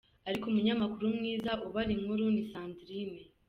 Ariko umunyamakuru mwiza ubara inkuru ni Sandrine.